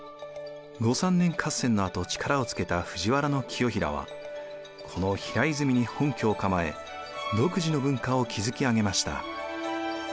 後三年合戦のあと力をつけた藤原清衡はこの平泉に本拠を構え独自の文化を築き上げました。